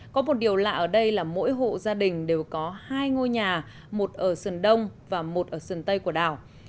có một điều lạ ở đây là mỗi hộ gia đình đều có hai ngôi nhà một ở sườn đông và một ở sườn tây của đảo